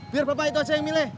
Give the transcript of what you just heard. biar bapak itu aja yang milih